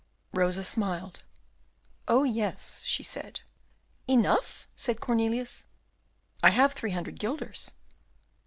Rosa smiled. "Oh, yes!" she said. "Enough?" said Cornelius. "I have three hundred guilders."